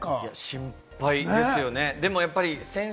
心配ですよね。